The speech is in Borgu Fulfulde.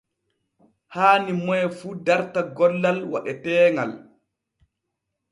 Haani moy fu darta gollal waɗeteeŋal.